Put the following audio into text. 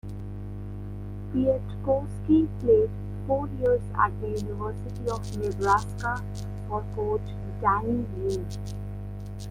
Piatkowski played four years at the University of Nebraska for coach Danny Nee.